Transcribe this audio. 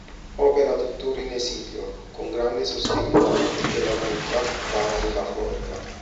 Opera tuttora in esilio, con grande sostegno da parte della comunità cubana della Florida.